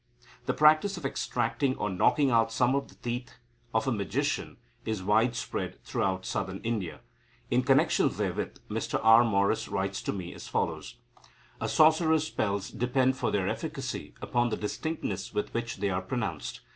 The practice of extracting or knocking out some of the teeth of a magician is widespread throughout Southern India. In connection therewith Mr R. Morris writes to me as follows: "A sorcerer's spells depend for their efficacy upon the distinctness with which they are pronounced.